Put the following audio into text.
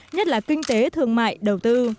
nhất là kinh tế thương mại đầu tư